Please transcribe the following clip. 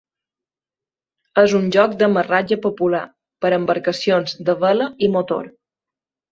És un lloc d'amarratge popular per a embarcacions de vela i motor.